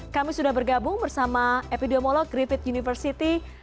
kami sudah bergabung bersama epidemiolog griffith university